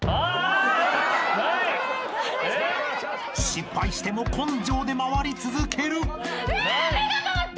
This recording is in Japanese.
［失敗しても根性で回り続ける］うわ！？